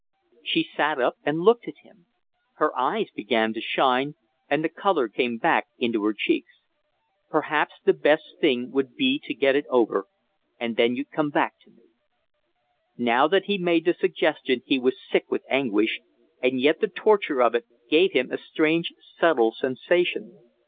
She sat up and looked at him. Her eyes began to shine, and the colour came into her cheeks. "Perhaps the best thing would be to get it over, and then you'd come back to me." Now that he had made the suggestion he was sick with anguish, and yet the torture of it gave him a strange, subtle sensation.